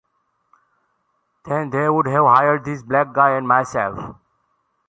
Then they would have hired this black guy and myself.